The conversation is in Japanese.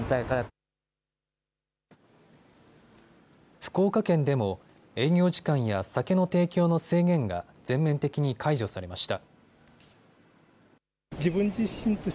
福岡県でも営業時間や酒の提供の制限が全面的に解除されました。